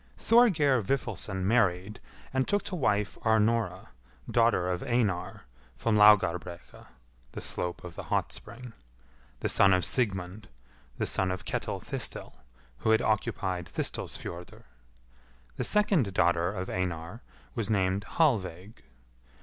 Thorgeir Vifilsson married, and took to wife Arnora, daughter of Einar, from Laugarbrekka (the slope of the hot spring), the son of Sigmund, the eon of Ketil Thistil, who had occupied Thistilsfjordr. The second daughter of Einar was named Hallveig.